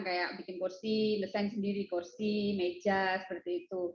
kayak bikin porsi desain sendiri porsi meja seperti itu